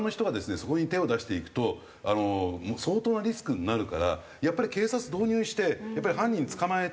そこに手を出していくと相当なリスクになるからやっぱり警察導入して犯人捕まえて。